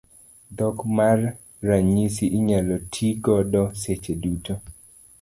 Dhok mar ranyisi inyalo ti godo seche duto.